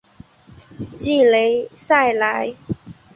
普雷赛莱。